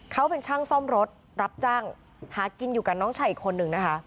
เขาเป็นช่างซ่อมรถรับจ้างหากินอยู่กับน้องชายอีกคนนึงนะคะ